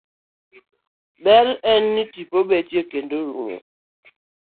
To ber en ni tipo betie kendo rumo